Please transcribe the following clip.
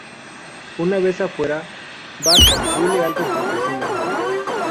Una vez afuera, Bart huele algo que cocinan.